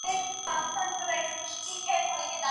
ولي هڅاند سړی د با استعداده کس په پرتله بریا خپلوي؟